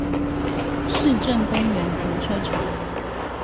市政公園停車場